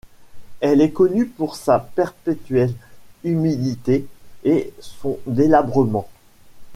Elle est connue pour sa perpétuelle humidité et son délabrement.